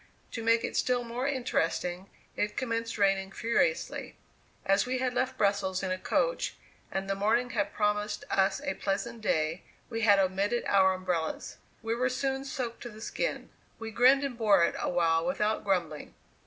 To make it still more interesting, it commenced raining furiously. As we had left Brussels in a coach, and the morning had promised us a pleasant day, we had omitted our umbrellas. We were soon soaked to the skin. We "grinned and bore it" awhile without grumbling.